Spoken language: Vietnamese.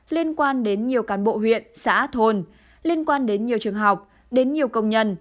liên quan đến nhiều cán bộ huyện xã thôn liên quan đến nhiều trường học đến nhiều công nhân